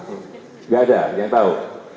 enggak ada yang tahu